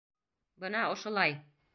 Бына ошолай...